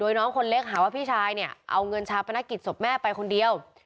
โดยน้องคนเล็กหาว่าพี่ชายเนี่ยเอาเงินชาปนกิจศพแม่ไปคนเดียว